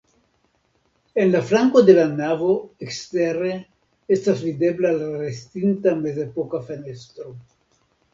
En flanko de la navo ekstere estas videbla la restinta mezepoka fenestro.